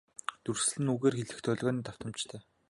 Дүрслэл нь үгээр илрэх долгионы давтамжтай.